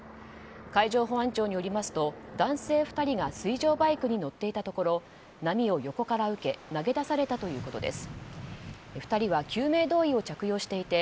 海上保安庁によりますと男性２人が水上バイクに乗っていたところ波を横から受け投げ出されたということです。